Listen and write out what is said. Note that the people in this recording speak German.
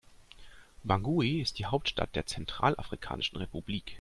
Bangui ist die Hauptstadt der Zentralafrikanischen Republik.